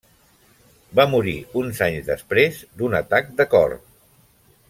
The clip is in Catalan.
Va morir uns anys després d'un atac de cor.